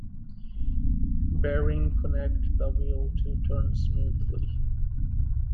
Bearings connect the wheel to turn smoothly.